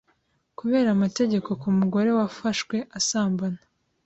kubera amategeko kumugore wafashwe asambana